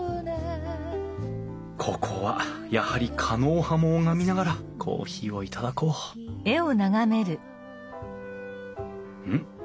ここはやはり狩野派も拝みながらコーヒーを頂こううん？